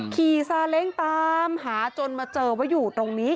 ซาเล้งตามหาจนมาเจอว่าอยู่ตรงนี้